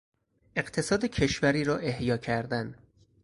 اقتصاد کشوری را احیا کردن